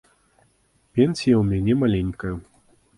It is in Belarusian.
Пенсія ў мяне маленькая.